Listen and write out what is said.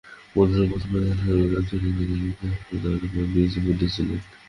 মধ্যযুগের মুসলমান জ্ঞানীরা ইউরোপে ছড়িয়ে গিয়ে রেনেসাঁ ও আলোকায়নের বীজ বুনেছিলেন।